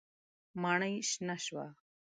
ماڼۍ شنه شوه.